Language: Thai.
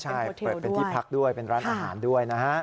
ใช่เปิดเป็นที่พักด้วยเป็นร้านอาหารด้วยนะฮะ